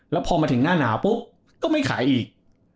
แล้วพอมาถึงหน้าหนาวปุ๊บก็ไม่ขายอีก